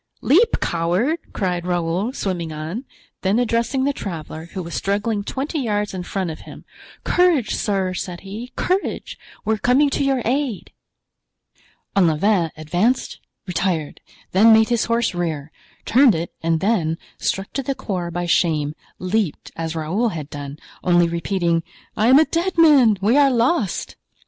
"Leap, coward!" cried Raoul, swimming on; then addressing the traveler, who was struggling twenty yards in front of him: "Courage, sir!" said he, "courage! we are coming to your aid." Olivain advanced, retired, then made his horse rear—turned it and then, struck to the core by shame, leaped, as Raoul had done, only repeating: "I am a dead man! we are lost!"